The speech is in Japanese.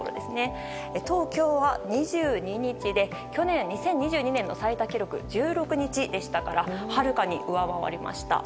東京は２２日で去年２０２２年の最多記録１６日でしたからはるかに上回りました。